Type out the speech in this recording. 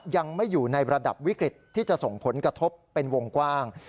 ยังไม่อยู่ในระดับวิกฤตที่จะส่งผลกระทบเป็นวงกว้าง